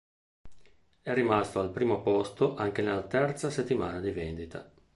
È rimasto al primo posto anche nella terza settimana di vendita.